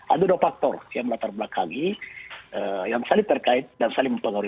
ada dua faktor yang melatar belakangi yang saling terkait dan saling mempengaruhi